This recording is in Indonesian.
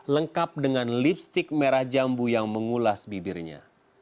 lengkap dengan lipstick merah jambu yang mengulas bibirnya